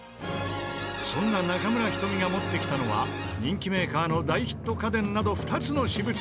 そんな中村仁美が持ってきたのは人気メーカーの大ヒット家電など２つの私物。